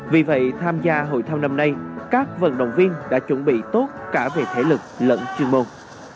vì vậy tham gia hội thao năm nay các vận động viên đã chuẩn bị tốt cả về thể lực lẫn chuyên môn